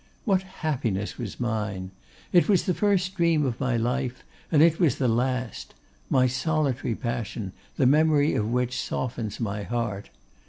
What happiness was mine! It was the first dream of my life, and it was the last; my solitary passion, the memory of which softens my heart.